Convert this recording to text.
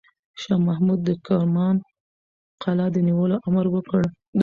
شاه محمود د کرمان قلعه د نیولو امر وکړ.